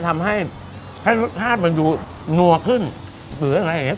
ทำให้ให้รสชาติมันดูนัวขึ้นหรืออะไรอย่างนี้